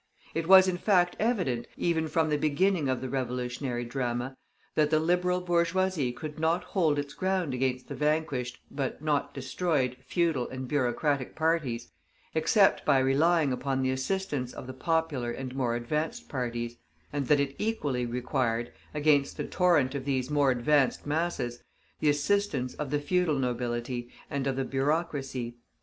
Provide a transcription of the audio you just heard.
It was in fact, evident, even from the beginning of the revolutionary drama, that the Liberal bourgeoisie could not hold its ground against the vanquished, but not destroyed, feudal and bureaucratic parties except by relying upon the assistance of the popular and more advanced parties; and that it equally required, against the torrent of these more advanced masses, the assistance of the feudal nobility and of the bureaucracy.